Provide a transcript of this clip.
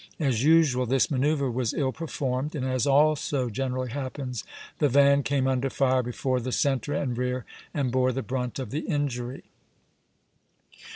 As usual, this manoeuvre was ill performed, and as also generally happens, the van came under fire before the centre and rear, and bore the brunt of the injury.